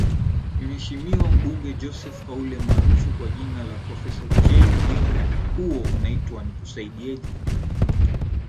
Mheshimiwa Mbunge Joseph Haule maarufu kwa jina Professor Jay Wimbo huo unaitwa Nikusaidieje